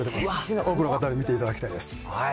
多くの方に見ていただきたいです